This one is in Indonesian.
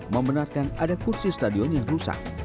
membenarkan ada kursi stadion yang rusak